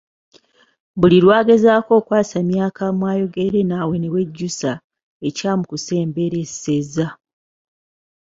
Buli lwagezaako okwasamya akamwa ayogere naawe ne wejjusa ekyamukusemberesezza.